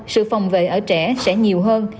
sự phòng vệ ở trẻ sẽ nhiều hơn